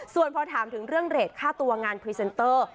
ส่วนพอถามถึงเรื่องเรทค่าตัวงานพรีเซนเตอร์